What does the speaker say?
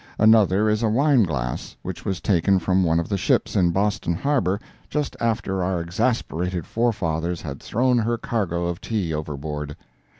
Another is a wine glass which was taken from one of the ships in Boston harbor just after our exasperated forefathers had thrown her cargo of tea overboard.